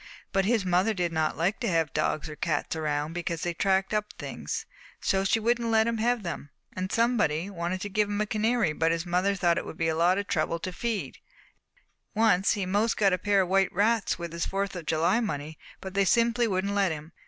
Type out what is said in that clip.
But his mother did not like to have dogs or cats around because they tracked up things, so she wouldn't let him have them. And somebody wanted to give him a canary but his mother thought it would be a lot of trouble to feed. And once he 'most got a pair of white rats with his Fourth of July money, but they simply wouldn't let him.